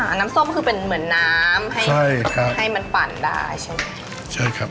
น้ำส้มคือเป็นเหมือนน้ำให้ให้มันปั่นได้ใช่ไหมใช่ครับ